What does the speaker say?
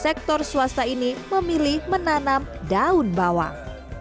sampai akhirnya sektor swasta ini memilih menanam daun bawang